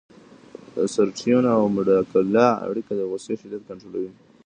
د سېرټونین او امګډالا اړیکه د غوسې شدت کنټرولوي.